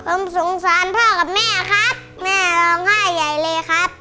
ผมสงสารพ่อกับแม่ครับแม่ร้องไห้ใหญ่เลยครับ